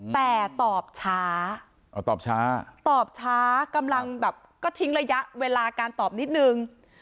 แต่ตอบช้าอ๋อตอบช้าตอบช้ากำลังแบบก็ทิ้งระยะเวลาการตอบนิดนึง